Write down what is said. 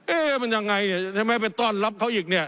มันยังไงเนี่ยใช่ไหมไปต้อนรับเขาอีกเนี่ย